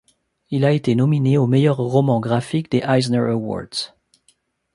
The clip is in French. Il a été nominé au Meilleur Roman Graphique des Eisner Awards.